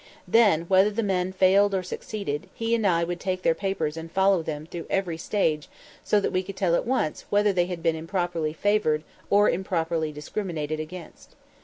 Then, whether the men failed or succeeded, he and I would take their papers and follow them through every stage so that we could tell at once whether they had been either improperly favored or improperly discriminated against.